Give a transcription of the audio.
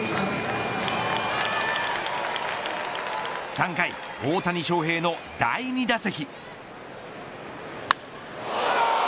３回、大谷翔平の第２打席。